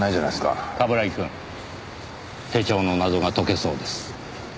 冠城くん手帳の謎が解けそうです。